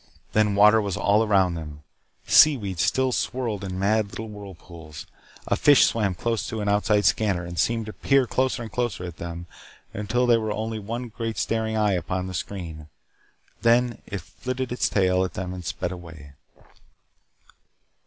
Then water was all around them. Seaweed still swirled in mad little whirlpools. A fish swam close to an outside scanner, and seemed to peer closer and closer at them until there was only one great staring eye upon the screen. Then it flirted its tail at them and sped away.